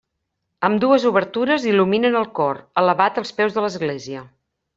Ambdues obertures il·luminen el cor, elevat als peus de l'església.